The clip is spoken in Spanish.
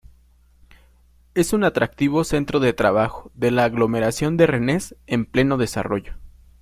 Es un atractivo centro de trabajo de la aglomeración de Rennes en pleno desarrollo.